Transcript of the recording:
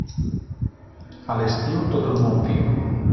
A l'estiu, tot el món viu.